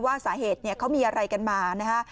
ว่าสาเหตุเนี่ยเขามีอะไรกันมานะฮะ